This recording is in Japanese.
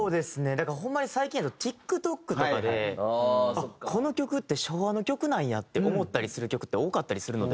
だからホンマに最近やとＴｉｋＴｏｋとかでこの曲って昭和の曲なんやって思ったりする曲って多かったりするので。